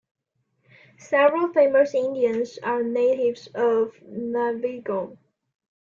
Several famous Indians are natives of Navilgone.